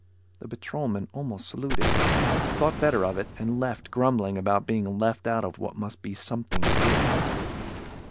The patrolman almost saluted, thought better of it, and left grumbling about being left out of what must be something big.